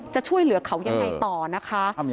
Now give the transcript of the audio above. จะช่วยเหลือเขายังไงต่อนะคะ